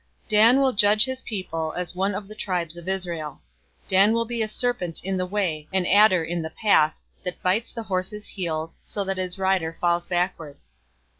049:016 "Dan will judge his people, as one of the tribes of Israel. 049:017 Dan will be a serpent in the way, an adder in the path, That bites the horse's heels, so that his rider falls backward.